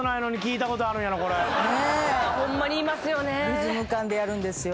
リズム感でやるんですよ。